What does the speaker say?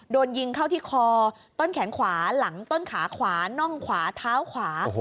โดนยิงเข้าที่คอต้นแขนขวาหลังต้นขาขวาน่องขวาเท้าขวา